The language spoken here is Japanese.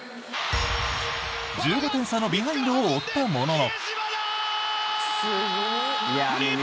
１５点差のビハインドを負ったものの。